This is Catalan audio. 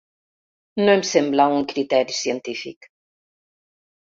No em sembla un criteri científic.